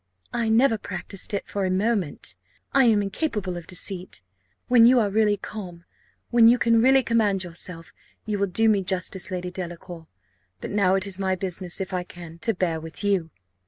"I never practised it for a moment I am incapable of deceit. When you are really calm, when you can really command yourself, you will do me justice, Lady Delacour; but now it is my business, if I can, to bear with you."